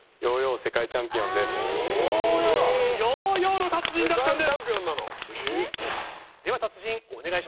世界チャンピオンなんだ。